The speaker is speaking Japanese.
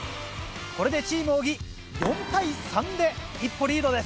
これでチーム小木４対３で一歩リードです。